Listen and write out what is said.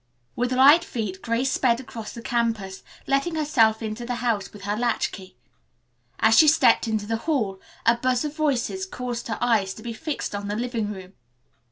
With light feet Grace sped across the campus, letting herself into the house with her latch key. As she stepped into the hall, a buzz of voices caused her eyes to be fixed on the living room.